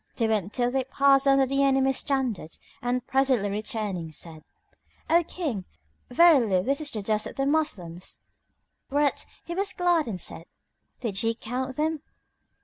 They went till they passed under the enemy's standards and presently returning said, "O King, verily this is the dust of the Moslems." Whereat he was glad and said, "Did ye count them?"